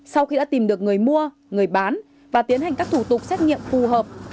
sau khi đã tìm được người mua người bán và tiến hành các thủ tục xét nghiệm phù hợp